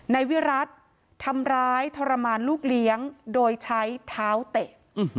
นายวิรัติทำร้ายทรมานลูกเลี้ยงโดยใช้เท้าเตะ